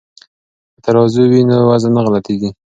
که ترازوی وي نو وزن نه غلطیږي.